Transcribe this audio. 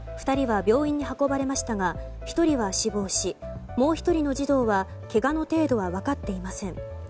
２人は病院に運ばれましたが１人は死亡しもう１人の児童はけがの程度は分かっていません。